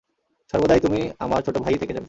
সর্বদাই তুমি আমার ছোট ভাইই থেকে যাবে।